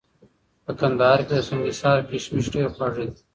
په کندهار کي د سنګحصار کشمش ډېر خواږه دي